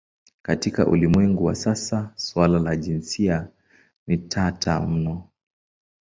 Katika ulimwengu wa sasa suala la jinsia ni tata mno.